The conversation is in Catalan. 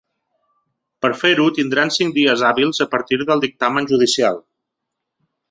Per fer-ho tindran cinc dies hàbils a partir del dictamen judicial.